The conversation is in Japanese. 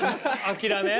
諦め。